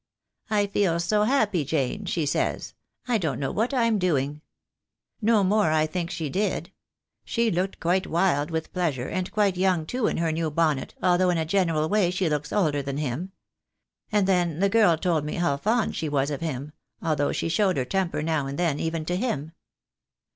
"I feel so happy, Jane," she says, "I don't know what I'm doing." No more I think she did. She looked quite wild with pleasure, and quite young too in her new bonnet, although in a general way she looks older than him.' And then the girl told me how fond she was of him, although she showed her temper now and then, even to him.